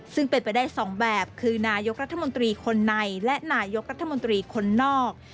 ซึ่งเป็นไปได้สองแบบคือนายกรัฐมนตรีคนในและนายกรัฐมนตรีคนนอก